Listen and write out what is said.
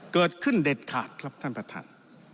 เกิดขึ้นเด็ดขาดครับท่านประธาน